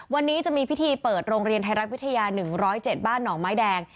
วันนี้จะมีพิธีเปิดโรงเรียนไทยรัฐวิทยา๑๐๗บ้านหนองไม้แดง